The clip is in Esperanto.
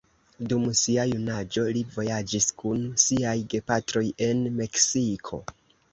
Dum sia junaĝo li vojaĝis kun siaj gepatroj en Meksiko.